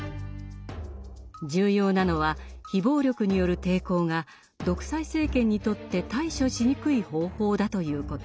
重要なのは非暴力による抵抗が独裁政権にとって対処しにくい方法だということ。